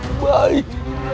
aku akan menangkapmu